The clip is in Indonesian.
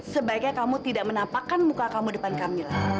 sebaiknya kamu tidak menampakkan muka kamu depan kamila